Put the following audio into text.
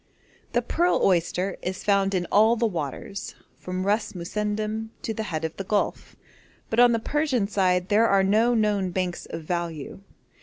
The pearl oyster is found in all the waters from Ras Mussendom to the head of the Gulf, but on the Persian side there are no known banks of value.